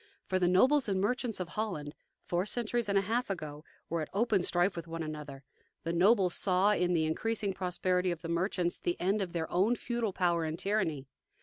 For the nobles and merchants of Holland, four centuries and a half ago, were at open strife with one another. The nobles saw in the increasing prosperity of the merchants the end of their own feudal power and tyranny.